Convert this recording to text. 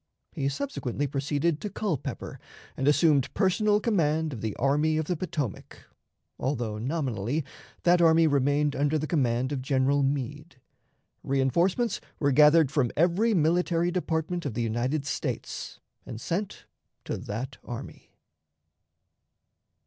He subsequently proceeded to Culpeper and assumed personal command of the Army of the Potomac, although nominally that army remained under the command of General Meade. Reënforcements were gathered from every military department of the United States and sent to that army.